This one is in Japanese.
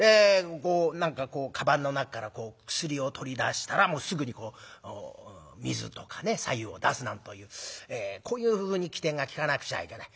何かこうかばんの中から薬を取り出したらすぐにこう水とかね白湯を出すなんというこういうふうに機転が利かなくちゃいけない。